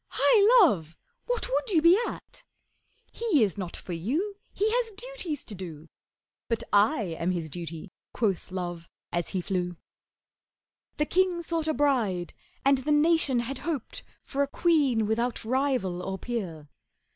Hi, Love, what would you be at? He is not for you, He has duties to do.' 'But I am his duty,' quoth Love as he flew. The king sought a bride, and the nation had hoped For a queen without rival or peer.